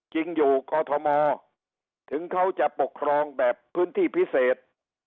จริงอยู่กอทมถึงเขาจะปกครองแบบพื้นที่พิเศษ